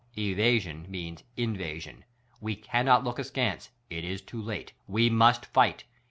Evasion means invasion; we cannot look askance; it is too late — ^we must fight!